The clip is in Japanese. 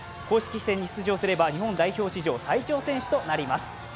公式戦に出場すれば日本代表選手最長選手となります。